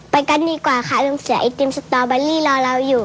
ไปกันดีกว่าค่ะลูกศิลป์ไอติมสตอร์เบอร์รี่รอเราอยู่